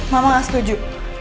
mama gak setuju